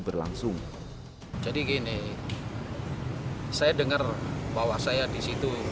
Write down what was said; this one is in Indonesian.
jadi gini saya dengar bahwa saya disitu